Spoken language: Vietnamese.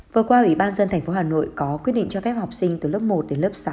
vừa qua ủy ban dân thành phố hà nội có quyết định cho phép học sinh từ lớp một đến lớp sáu